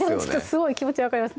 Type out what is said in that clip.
すごい気持ち分かります